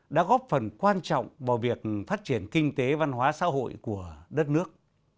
đã góp phần quan trọng vào việc phát triển kinh tế văn hóa xã hội của đất nước